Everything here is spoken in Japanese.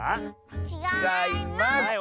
ちがいます！